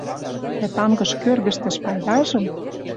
Дӓ тангыж кӧргӹштӹш пайдажым